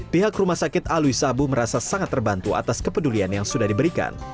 pihak rumah sakit alwi sabu merasa sangat terbantu atas kepedulian yang sudah diberikan